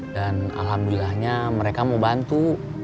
dan alhamdulillahnya mereka mau bantu